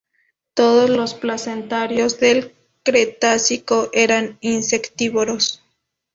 Todos los placentarios del Cretácico eran insectívoros.